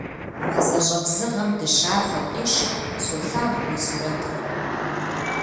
Мазэщӏэ бзыгъэм дыщафэу къищу солъагъу уи сурэтыр.